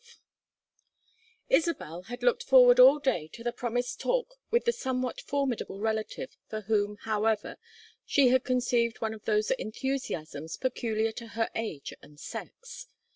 XII Isabel had looked forward all day to the promised talk with the somewhat formidable relative for whom, however, she had conceived one of those enthusiasms peculiar to her age and sex.